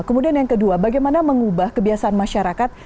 kemudian yang kedua bagaimana mengubah kebiasaan masyarakat